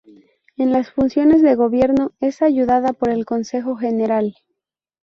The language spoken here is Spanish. En las funciones de gobierno es ayudada por el Consejo general.